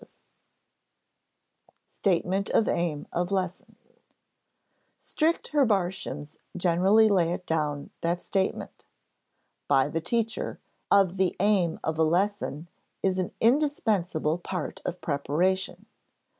[Sidenote: Statement of aim of lesson] Strict Herbartians generally lay it down that statement by the teacher of the aim of a lesson is an indispensable part of preparation.